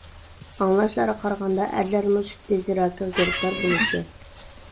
ئاڭلاشلارغا قارىغاندا، ئەرلەرمۇ سۈت بېزى راكىغا گىرىپتار بولىدىكەن.